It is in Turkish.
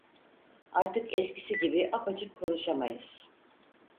Artık eskisi gibi apaçık konuşamayız…